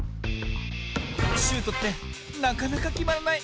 シュートってなかなかきまらない。